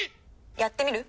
やってみる？